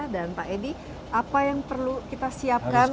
dan pak edi apa yang perlu kita siapkan